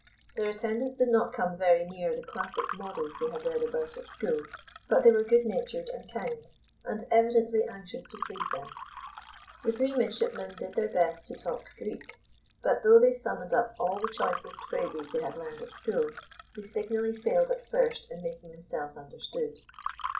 Their attendants did not come very near the classic models they had read about at school, but they were good natured and kind, and evidently anxious to please them. The three midshipmen did their best to talk Greek, but though they summoned up all the choicest phrases they had learned at school, they signally failed at first in making themselves understood.